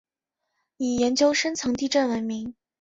以研究深层地震闻名。